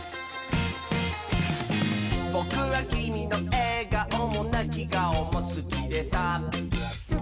「ぼくはきみのえがおもなきがおもすきでさ」